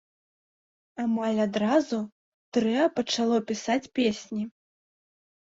Амаль адразу трыа пачало пісаць песні.